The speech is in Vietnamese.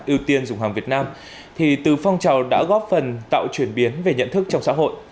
ưu tiên dùng hàng việt nam thì từ phong trào đã góp phần tạo chuyển biến về nhận thức trong xã hội